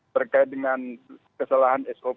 terkait dengan kesalahan sop